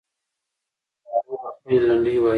ملالۍ به خپلې لنډۍ وایي.